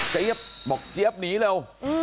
เจ๊บบอกเจ๊บหนีเร็ว